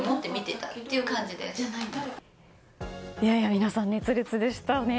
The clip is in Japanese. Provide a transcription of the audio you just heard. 皆さん、熱烈でしたね。